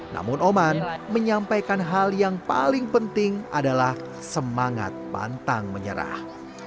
namun oman menyampaikan hal yang paling penting adalah semangat pantang menyerah